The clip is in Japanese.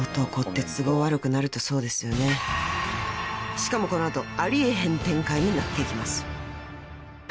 ［しかもこの後あり得へん展開になっていきます］